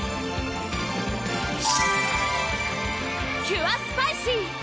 キュアスパイシー！